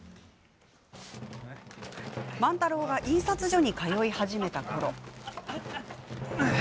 万太郎が印刷所に通い始めたころ。